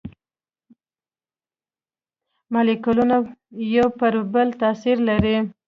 مالیکولونه یو پر بل تاثیر لري.